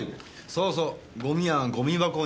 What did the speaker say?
そうそうゴミはゴミ箱に。